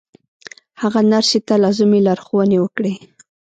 هغه نرسې ته لازمې لارښوونې وکړې